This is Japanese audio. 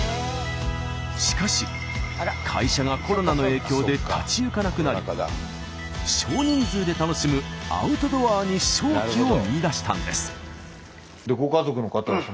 しかし会社がコロナの影響で立ち行かなくなり少人数で楽しむアウトドアに商機を見いだしたんです。